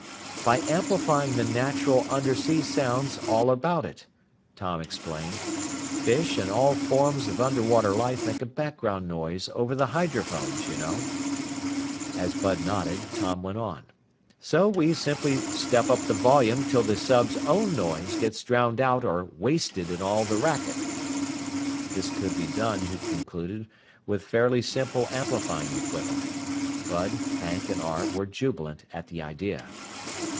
"By amplifying the natural undersea sounds all about it," Tom explained. "Fish and all forms of underwater life make a background noise over the hydrophones, you know." As Bud nodded, Tom went on, "So we simply step up the volume till the sub's own noise gets drowned out or 'wasted' in all the racket." This could be done, he concluded, with fairly simple amplifying equipment. Bud, Hank, and Arv were jubilant at the idea.